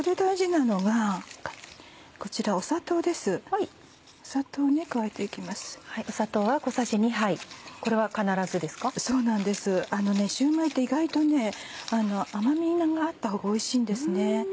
あのねシューマイって意外と甘みがあったほうがおいしいんですね。